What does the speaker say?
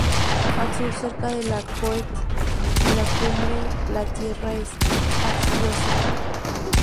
Al sur, cerca de "La Côte" y "La Combe", la tierra es arcillosa.